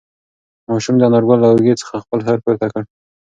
ماشوم د انارګل له اوږې څخه خپل سر پورته کړ.